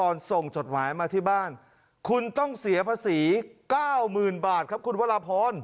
ส่งจดหมายมาที่บ้านคุณต้องเสียภาษี๙๐๐๐บาทครับคุณวรพร